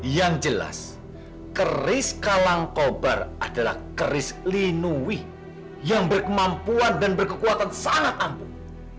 yang jelas keris kalang kol bar adalah keris liniwi yang berkemampuan dan berkekuatan sangat ampuh